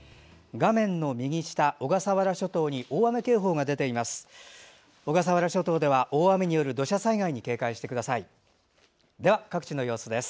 画面の右下、小笠原諸島に大雨警報が出ています。